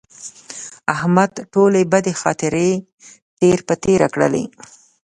احمد ټولې بدې خاطرې تېر په تېره کړلې.